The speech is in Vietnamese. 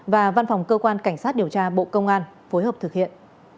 và văn phòng cơ quan cảnh sát điều tra bộ công an phối hợp thực hiện